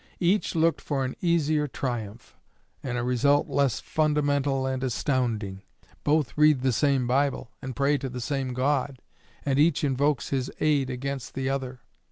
Each looked for an easier triumph, and a result less fundamental and astounding. Both read the same Bible, and pray to the same God, and each invokes His aid against the other.